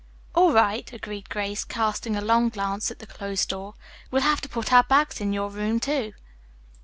"All right," agreed Grace, casting a longing glance at the closed door. "We'll have to put our bags in your room, too.